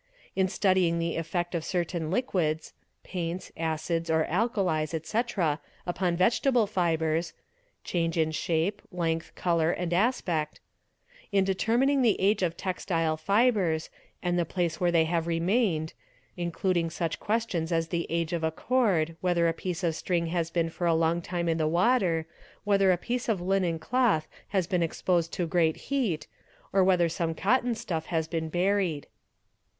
in studying the effect of certain liquids (paints, acids, or alkalis, etc.) upon vegetable 7 29 226 THE EXPERT fibres (change in shape, length, colour, and aspect) ; in determining the age of textile fibres and the place where they have remained (includ ing such questions as the age of a cord, whether a piece of string has — been for a long time in the water, whether a piece of linen cloth has been exposed to great heat, or whether some cotton stuff has been buried.)